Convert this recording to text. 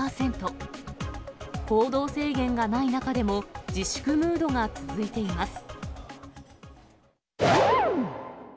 行動制限がない中でも、自粛ムードが続いています。